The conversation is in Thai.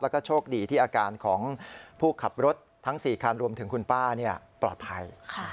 แล้วก็โชคดีที่อาการของผู้ขับรถทั้ง๔คันรวมถึงคุณป้าปลอดภัย